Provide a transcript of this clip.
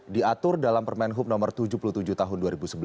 diatur dalam permen hub no tujuh puluh tujuh tahun dua ribu sebelas